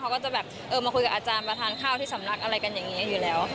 เขาก็จะมาคุยกับอาจารย์มาทานข้าวที่สำนักอย่างนี้อยู่แล้ว